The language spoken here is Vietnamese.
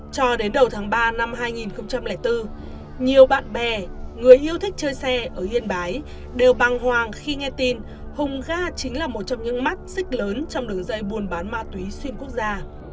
cho đến đầu tháng ba năm hai nghìn bốn nhiều bạn bè người yêu thích chơi xe ở yên bái đều băng hoàng khi nghe tin hùng ga chính là một trong những mắt xích lớn trong đường dây buôn bán ma túy xuyên quốc gia